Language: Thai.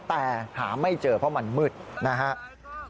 แต่หาไม่เจอเพราะมันมืดนะครับ